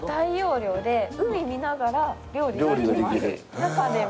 中でも。